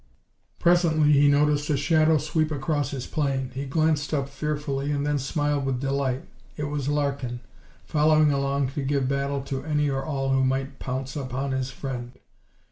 Presently he noticed a shadow sweep across his plane. He glanced up fearfully, and then smiled with delight. It was Larkin, following along to give battle to any or all who might pounce upon his friend.